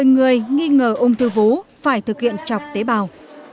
một mươi người nghi ngờ ung thư vú phải thực hiện chọc tế bào